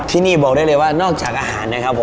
ที่นี่บอกได้เลยว่านอกจากอาหารนะครับผม